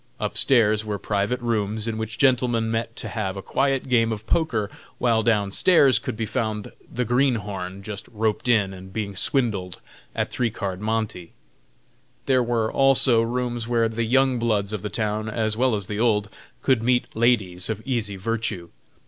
Up stairs were private rooms, in which gentlemen met to have a quiet game of poker; while down stairs could be found the greenhorn, just "roped in," and being swindled, at three card monte. There were, also, rooms where the "young bloods" of the town as well as the old could meet ladies of easy virtue.